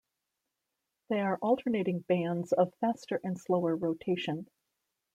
They are alternating bands of faster and slower rotation.